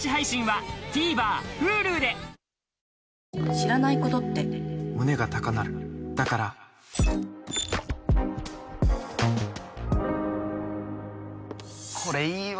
知らないことって胸が高鳴るだからこれいいわ！